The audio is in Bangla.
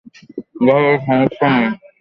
ধরো, সমস্যা নেই।